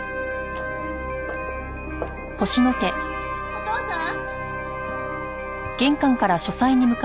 お父さん？